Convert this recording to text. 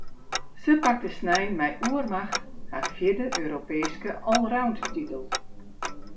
Se pakte snein mei oermacht har fjirde Europeeske allroundtitel.